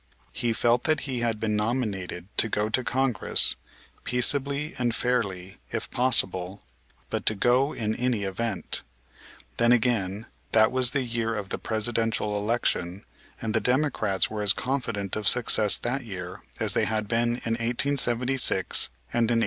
He felt that he had been nominated to go to Congress, "peaceably and fairly," if possible, but to go in any event. Then, again, that was the year of the Presidential election, and the Democrats were as confident of success that year as they had been in 1876 and in 1880.